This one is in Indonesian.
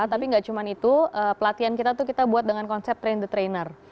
tapi gak cuma itu pelatihan kita tuh kita buat dengan konsep train the trainer